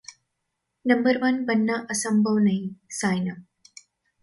number one बनना असंभव नहीं: सायना